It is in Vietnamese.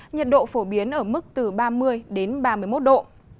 nhiệt độ phổ biến ở mức từ ba mươi đến ba mươi một độ